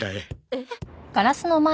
えっ？